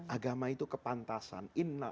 agama itu kepantasan